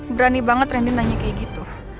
berani banget ranin nanya kayak gitu